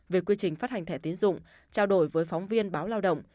về quy trình phát hành thẻ tiến dụng trao đổi với phóng viên báo lao động